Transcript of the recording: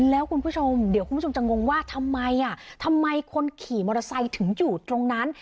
แล้วคุณผู้ชมเดี๋ยวคุณผู้ชมจะงงว่าทำไมอ่ะทำไมคนขี่มอเตอร์ไซค์ถึงอยู่ตรงนั้น